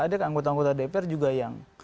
ada anggota anggota dpr juga yang